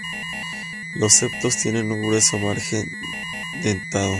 Los septos tienen un grueso margen dentado.